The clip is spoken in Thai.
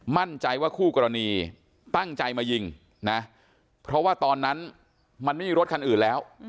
มั่นใจว่าคู่กรณีตั้งใจมายิงนะเพราะว่าตอนนั้นมันไม่มีรถคันอื่นแล้ว